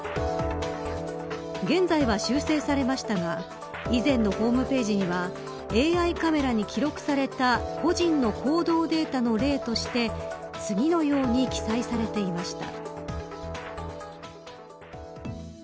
現在は修正されましたが以前のホームページにはＡＩカメラに記録された個人の行動データの例として次のように記載されていました。